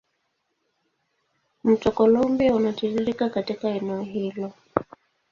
Mto Columbia unatiririka katika eneo hilo.